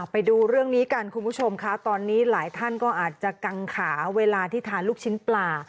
ไปดูเรื่องนี้กันคุณผู้ชมค่ะตอนนี้หลายท่านก็อาจจะกังขาเวลาที่ทานลูกชิ้นปลา